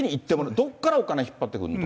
どこからお金引っ張ってくるの？と。